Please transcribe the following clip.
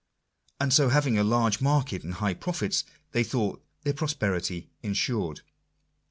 And so, having a large market and high profits, they thought their prosperity ensured.